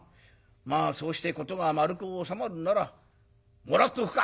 まあそうして事が丸く収まるならもらっておくか」。